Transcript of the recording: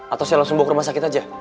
atau saya langsung bawa ke rumah sakit aja